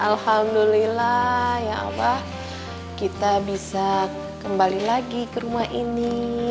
alhamdulillah ya allah kita bisa kembali lagi ke rumah ini